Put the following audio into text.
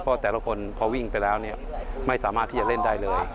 เพราะแต่ละคนพอวิ่งไปแล้วเนี่ยไม่สามารถที่จะเล่นได้เลย